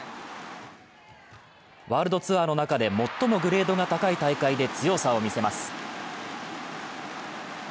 ワールドツアーの中で最もグレードが高い大会で強さを見せます。